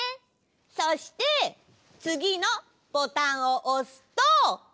そしてつぎのボタンをおすと。